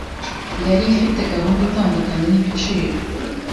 yari ifite gahunda itandukanye n’ibiciro